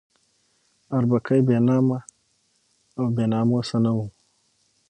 اربکی بې نامه او بې ناموسه نه وو.